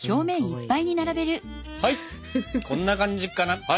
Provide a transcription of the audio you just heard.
はいこんな感じかな。